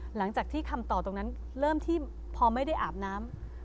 หลังจากที่คำตอบตรงนั้นเริ่มที่พอไม่ได้อาบน้ำ